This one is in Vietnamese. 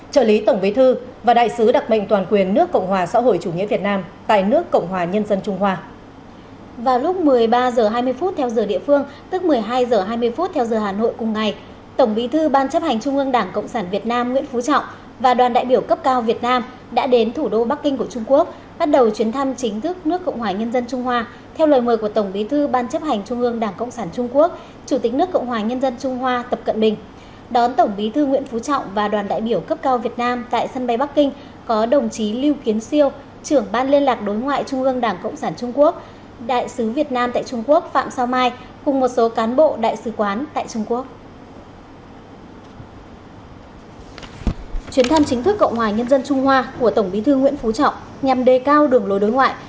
chuyến thăm chính thức cộng hòa nhân dân trung hoa của tổng bí thư nguyễn phú trọng nhằm đề cao đường lối đối ngoại